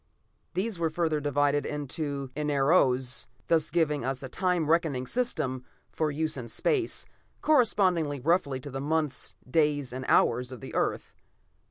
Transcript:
These were further divided into enaros, thus giving us a time reckoning system for use in space, corresponding roughly to the months, days and hours of the Earth.